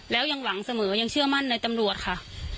แล้วยังหวังเสมอยังเชื่อมั่นในตำรวจค่ะ